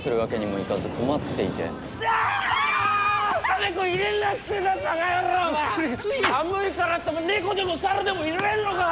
寒いからって猫でも猿でも入れんのか！？